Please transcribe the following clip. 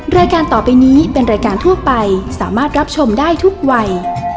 รายการต่อไปนี้เป็นรายการทั่วไปสามารถรับชมได้ทุกวัย